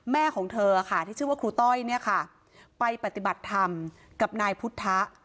แม่ของเธอค่ะที่ชื่อว่าครูต้อยเนี่ยค่ะไปปฏิบัติธรรมกับนายพุทธ